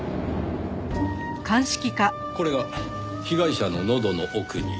これが被害者の喉の奥に？